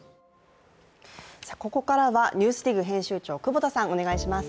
ここからは「ＮＥＷＳＤＩＧ」編集長久保田さん、お願いします。